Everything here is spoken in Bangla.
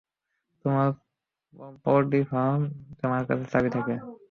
তোমার পোল্ট্রি ফার্ম, তোমার কাছে চাবি থাকে।